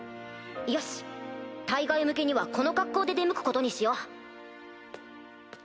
よし対外向けにはこの格好で出向くことにしよう。